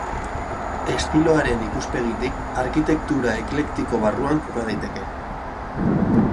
Estiloaren ikuspegitik, arkitektura eklektiko barruan koka daiteke.